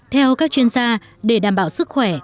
theo các chuyên gia để đảm bảo sức khỏe